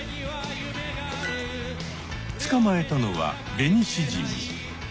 つかまえたのはベニシジミ。